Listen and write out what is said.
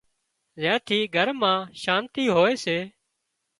زين ٿِي گھر مان شانتي هوئي سي